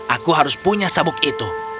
aku harus punya sabuk itu